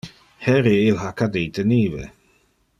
Heri il ha cadite nive.